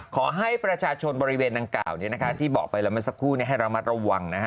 ขอให้ประชาชนบริเวณดังกล่าวที่บอกไปแล้วเมื่อสักครู่ให้ระมัดระวังนะฮะ